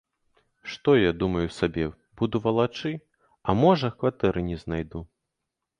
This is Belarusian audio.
Што я, думаю сабе, буду валачы, а можа, кватэры не знайду.